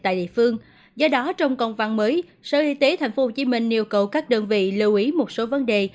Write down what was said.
tại địa phương do đó trong công văn mới sở y tế tp hcm yêu cầu các đơn vị lưu ý một số vấn đề